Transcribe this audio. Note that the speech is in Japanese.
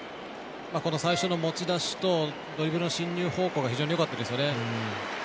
最初の持ち出しとドリブルの進入方向がよかったですよね。